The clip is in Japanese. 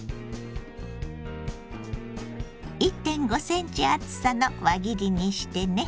１．５センチ厚さの輪切りにしてね。